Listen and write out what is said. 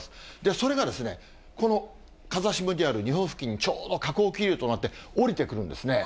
それがこの風下にある日本付近にちょうど下降気流となって下りてくるんですね。